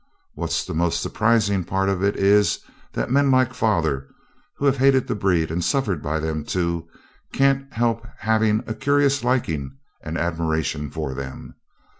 What's the most surprising part of it is that men like father, who have hated the breed and suffered by them, too, can't help having a curious liking and admiration for them.